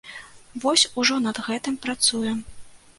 Вось, ужо над гэтым працуем.